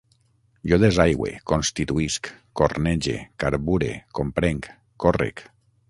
Jo desaigüe, constituïsc, cornege, carbure, comprenc, córrec